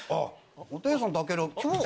ホテイソン・たける今日？